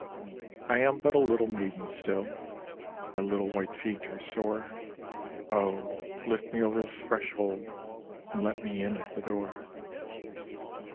I am but a little maiden still, My little white feet are sore. Oh, lift me over the threshold, and let me in at the door!